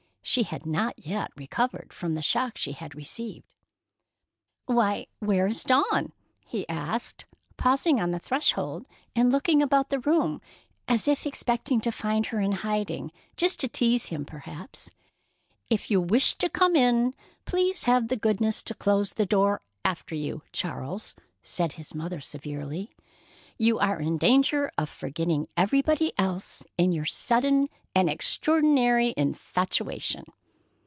She had not yet recovered from the shock she had received. "Why, where is Dawn?" he asked, pausing on the threshold and looking about the room, as if expecting to find her in hiding, just to tease him, perhaps. "If you wish to come in, please have the goodness to close the door after you, Charles," said his mother severely. "You are in danger of forgetting everybody else in your sudden and extraordinary infatuation."